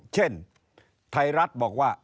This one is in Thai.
เช่นไทยรัฐบอกว่า